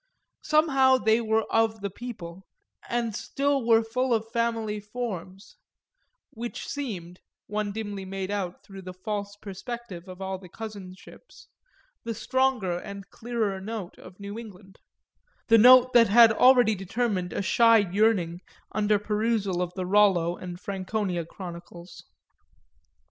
Somehow they were of the people, and still were full of family forms which seemed, one dimly made out through the false perspective of all the cousinships, the stronger and clearer note of New England; the note that had already determined a shy yearning under perusal of the Rollo and Franconia chronicles.